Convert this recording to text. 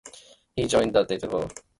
He joined the Delta Upsilon Fraternity.